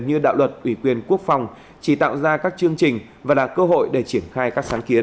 như đạo luật ủy quyền quốc phòng chỉ tạo ra các chương trình và là cơ hội để triển khai các sáng kiến